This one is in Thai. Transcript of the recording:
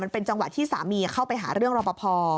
เป็นจังหวะที่สามีเข้าไปหาเรื่องรอปภ